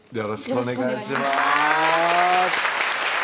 よろしくお願いします